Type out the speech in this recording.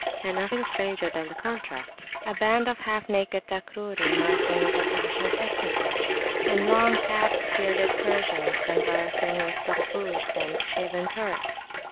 And nothing stranger than the contrasts; a band of half naked Takruri marching with the Pashas equipage, and long capped, bearded Persians conversing with Tarbushd and shaven Turks.